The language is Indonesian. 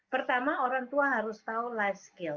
pertama orang tua harus tahu life skill